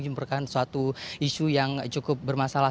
merupakan suatu isu yang cukup bermasalah